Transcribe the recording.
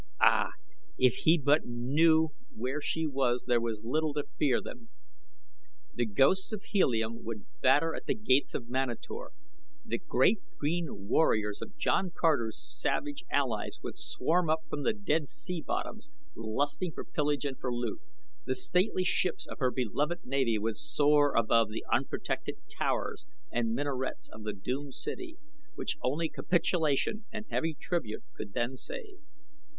Ah! if he but knew where she was there were little to fear then. The hosts of Helium would batter at the gates of Manator, the great green warriors of John Carter's savage allies would swarm up from the dead sea bottoms lusting for pillage and for loot, the stately ships of her beloved navy would soar above the unprotected towers and minarets of the doomed city which only capitulation and heavy tribute could then save.